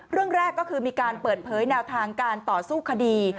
เรื่องแรกก็คือมีการเปิดเผยแนวทางการต่อสู้คดี